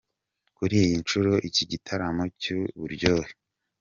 Kuri iyi nshuro iki gitaramo cy’uburyohe